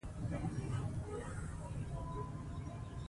د ده قلم تل د حق لپاره چلیدلی دی.